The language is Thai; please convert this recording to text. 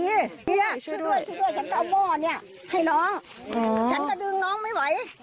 เฮียช่วยด้วยช่วยด้วยฉันจะเอาหม้อเนี่ยให้น้องฉันก็ดึงน้องไม่ไหว